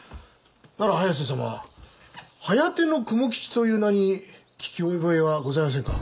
なら早瀬様はやての蜘蛛吉という名に聞き覚えはございませんか？